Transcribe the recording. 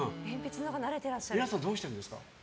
皆さん、どうしてるんですか？